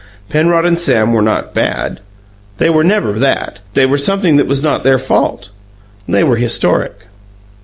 Penrod and Sam were not "bad"; they were never that. They were something that was not their fault; they were historic.